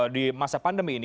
di masa pandemi ini